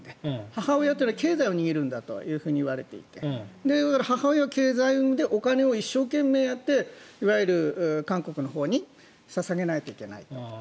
母親は経済を握るんだと言われていて母親は経済を生んでお金を一生懸命生んでいわゆる韓国のほうに捧げないといけないと。